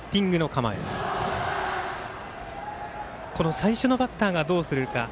最初のバッターをどうするか。